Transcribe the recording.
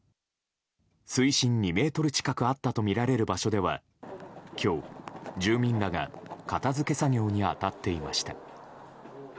水深２ｍ近くあったとみられる場所では今日、住民らが片付け作業に当たっていました。